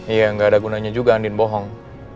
iya nggak ada gunanya juga andin bohong